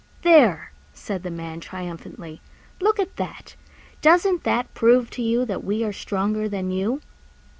"There!" said the Man triumphantly, "look at that! Doesn't that prove to you that we are stronger than you?"